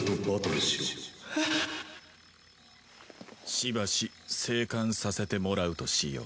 しばし静観させてもらうとしよう。